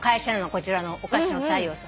こちらのお菓子のたいようさん。